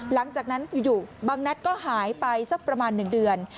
หลังจากนั้นอยู่บางนัดก็หายไปสักประมาณ๑เดือน